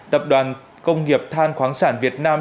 tập đoàn công nghiệp than khoáng sản việt nam